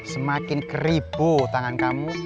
semakin keribu tangan kamu